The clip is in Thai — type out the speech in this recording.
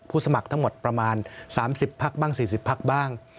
สมัครทั้งหมดประมาณ๓๐พักบ้าง๔๐พักบ้าง